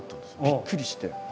びっくりして。